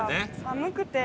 寒くて。